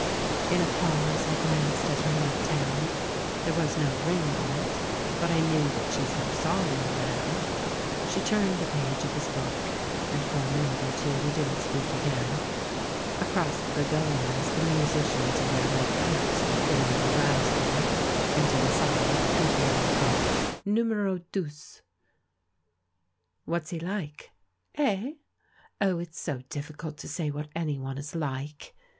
In a pause I glanced at her left hand. There was no ring on it, but I knew that she foresaw one there. She turned a page of his book, and for a minute or two we didn't speak again. Across the begonias the musicians in their red coats were fiddling drowsily, and, inside, the croupier called "TsTumero deux!" "What's he like?" "Eh? Oh, it's so difficult to say what anyone is like.